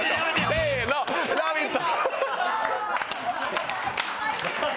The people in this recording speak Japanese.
せーの、ラヴィット！